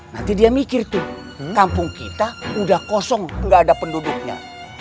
nanti dia mikir tuh kampung kita udah kosong nggak ada penduduknya